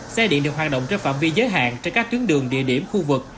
xe điện được hoạt động trên phạm vi giới hạn trên các tuyến đường địa điểm khu vực